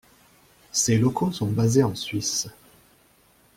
Ses locaux sont basés en Suisse.